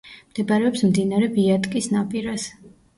მდებარეობს მდინარე ვიატკის ნაპირას.